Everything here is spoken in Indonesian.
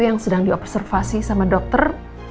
yang sedang di observasi sama dokter